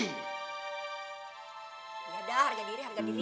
ya udah harga diri harga diri